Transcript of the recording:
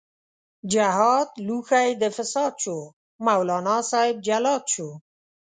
جهاد لوښی د فساد شو، مولانا صاحب جلاد شو